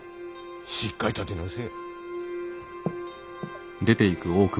しっかり立て直せ。